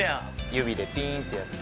指でピーンってやって。